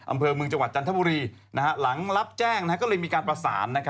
อำเภอเมืองจังหวัดจันทบุรีหลังรับแจ้งก็เลยมีการประสาน